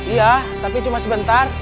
iya tapi cuma sebentar